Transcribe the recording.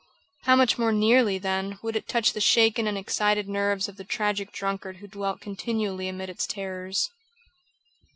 How much more nearly, then, would it touch the shaken and excited nerves of the tragic drunkard who dwelt continually amid its terrors!